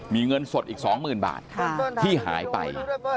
มีเงินสดอีก๒๐๐๐บาทที่หายไป